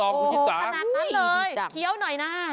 โอ้โหขนาดนั้นเลยเคี้ยวหน่อยนะ